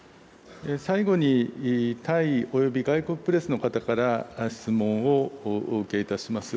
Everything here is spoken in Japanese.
最後に、タイおよび外国プレスの方から質問をお受けいたします。